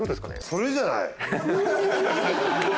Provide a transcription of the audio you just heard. それじゃない？